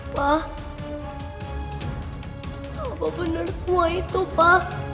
pa apa benar semua itu pa